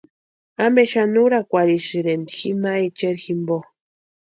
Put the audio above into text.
¿Ampe xani úrakwarhisïrempki jima echeri jimpo?